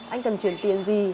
anh cần truyền tiền gì